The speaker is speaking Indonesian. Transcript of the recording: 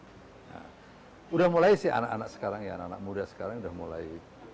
sudah mulai sih anak anak sekarang anak muda sekarang sudah mulai